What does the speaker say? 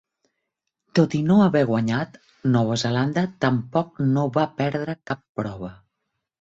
Tot i no haver guanyat, Nova Zelanda tampoc no va perdre cap prova.